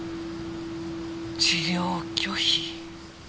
治療拒否。